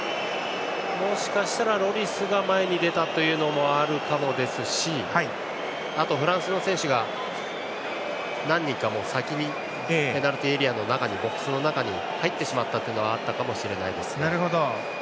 もしかしたらロリスが前に出たというのがあるかもですしあと、フランスの選手が何人か先にペナルティーエリアのボックスの中に入ってしまったのはあるかもしれないですね。